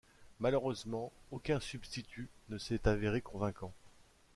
Malheureusement, aucun substitut ne s'est avéré convaincant.